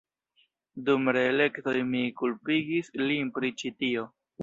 Dum reelektoj mi kulpigis lin pri ĉi tio.